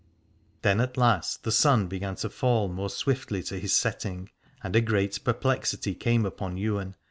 Then at the last the sun began to fall more swiftly to his setting, and a great perplexity came upon Ywain.